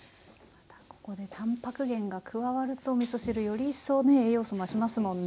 ここでたんぱく源が加わるとみそ汁よりいっそうね栄養素増しますもんね。